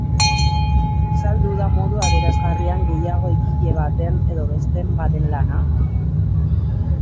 Saldu da modu adierazgarrian gehiago egile baten edo beste baten lana?